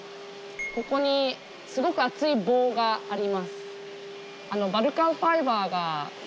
ここにすごく熱い棒があります。